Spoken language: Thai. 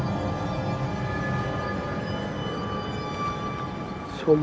พี่ป๋องครับผมเคยไปที่บ้านผีคลั่งมาแล้ว